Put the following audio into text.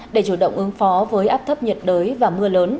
để chủ động ứng phó với áp thấp nhiệt đới và mưa lớn